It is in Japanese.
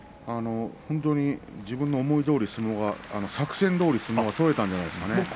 本当に自分の思いどおり作戦どおり相撲が取れたんじゃないですかね。